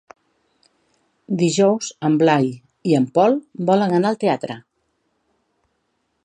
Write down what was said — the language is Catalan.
Dijous en Blai i en Pol volen anar al teatre.